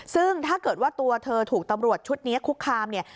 ซึ่งถ้าเกิดว่าตัวเธอถูกตำรวจชุดนี้คุกคามเนี่ย